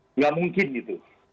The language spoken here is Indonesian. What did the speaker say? tidak mungkin itu